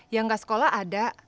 yang gak sekolah ada